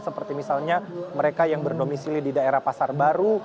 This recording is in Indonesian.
seperti misalnya mereka yang berdomisili di daerah pasar baru